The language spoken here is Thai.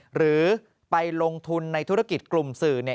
หรือไปลงทุนในธุรกิจกลุ่มสื่อ